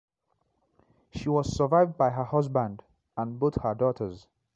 She was survived by her husband and both her daughters.